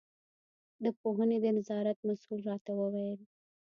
د پوهنې د نظارت مسوول راته وویل.